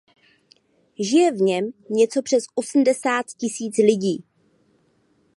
Žije v něm něco přes osmdesát tisíc lidí.